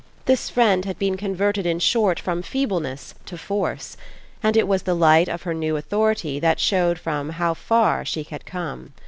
This friend had been converted in short from feebleness to force; and it was the light of her new authority that showed from how far she had come.